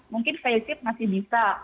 mungkin facepath masih bisa